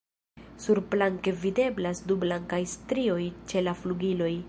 Surplanke videblas du blankaj strioj ĉe la flugiloj.